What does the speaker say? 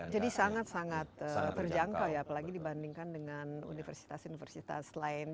jadi sangat sangat terjangkau ya apalagi dibandingkan dengan universitas universitas lain